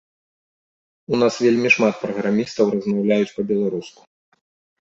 У нас вельмі шмат праграмістаў размаўляюць па-беларуску.